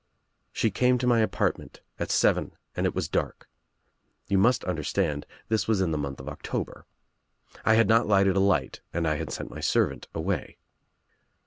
She came to my apartment at seven and it was dark. You must understand this was in the month of October. I had not lighted a light and I had sent my servant away.